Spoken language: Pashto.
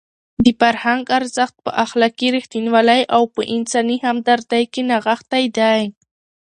د فرهنګ ارزښت په اخلاقي رښتینولۍ او په انساني همدردۍ کې نغښتی دی.